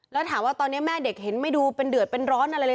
แล้วถามว่าตอนนี้แม่เด็กเห็นไม่ดูเป็นเดือดเป็นร้อนอะไรเลย